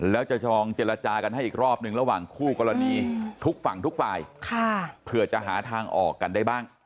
แล้วจะชองเจรจากันให้อีกรอบหนึ่งระหว่างคู่กรณีทุกฝั่งทุกฝ่ายเผื่อจะหาทางออกกันได้บ้าง